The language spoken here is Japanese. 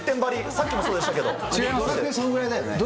さっきもそうでしたけど。